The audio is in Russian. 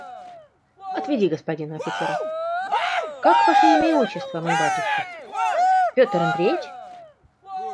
Отведи господина офицера… как ваше имя и отчество, мой батюшка? Петр Андреич?..